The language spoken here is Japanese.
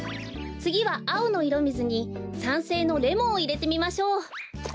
つぎはあおのいろみずに酸性のレモンをいれてみましょう。